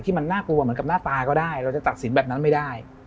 มันน่ากลัวเหมือนกับหน้าตาก็ได้เราจะตัดสินแบบนั้นไม่ได้